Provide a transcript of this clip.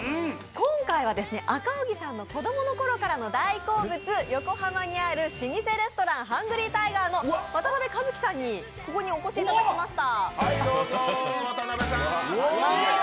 今回は赤荻さんの子供のころからの大好物横浜にある老舗レストラン・ハングリータイガーの渡邊一城さんにここにお越しいただきました。